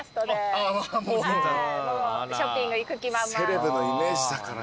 セレブのイメージだから。